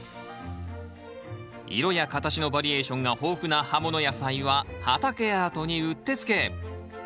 色や形のバリエーションが豊富な葉もの野菜は畑アートにうってつけ。